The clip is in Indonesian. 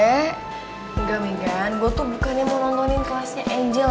engga megan gue tuh bukannya mau nontonin kelasnya angel